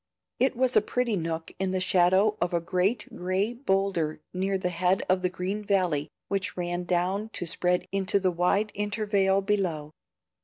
It was a pretty nook in the shadow of a great gray bowlder near the head of the green valley which ran down to spread into the wide intervale below.